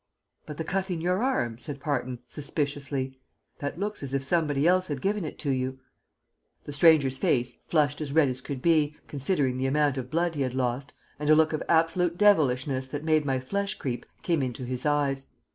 "But the cut in your arm?" said Parton, suspiciously. "That looks as if somebody else had given it to you." The stranger's face flushed as red as could be considering the amount of blood he had lost, and a look of absolute devilishness that made my flesh creep came into his eyes.